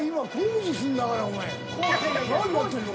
何やってんの？